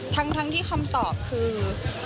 ทั้งที่คำตอบคือ